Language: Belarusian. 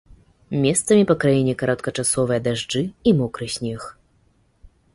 Месцамі па краіне кароткачасовыя дажджы і мокры снег.